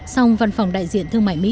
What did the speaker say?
song văn phòng đại diện thương mại mỹ